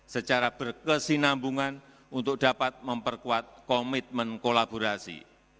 secara berkesinambungan untuk dapat memperkuat komitmen kolaborasi